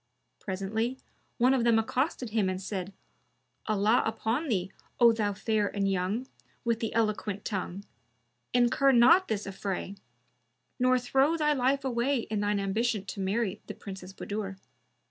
Presently one of them accosted him and said, "Allah upon thee, O thou fair and young, with the eloquent tongue! incur not this affray; nor throw thy life away in thine ambition to marry the Princess Budur.